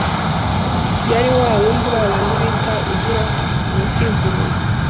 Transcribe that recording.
yari wawundi babandi bita ugira ubutiza urugi